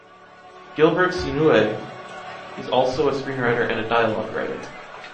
Gilbert Sinoué is also a screenwriter and a dialogue writer.